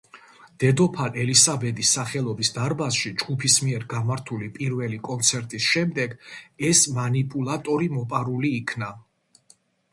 დედოფალ ელისაბედის სახელობის დარბაზში ჯგუფის მიერ გამართული პირველი კონცერტის შემდეგ ეს მანიპულატორი მოპარული იქნა.